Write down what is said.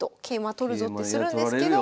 取るぞってするんですけど。